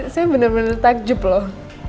saya bener bener takjub loh